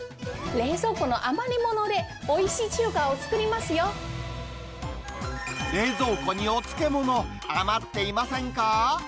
冷蔵庫の余り物で、おいしい冷蔵庫にお漬物、余っていませんか？